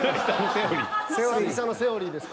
久々のセオリーです